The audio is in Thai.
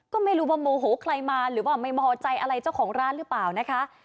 ก็ไม่รู้ว่าโมโหใครมาหรือว่าไม่มอใจอะไรเจ้าของร้านหรือเปล่านะคะ